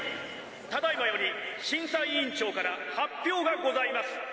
ただいまより審査委員長から発表がございます。